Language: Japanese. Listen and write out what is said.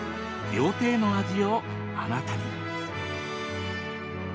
料亭の味をあなたに。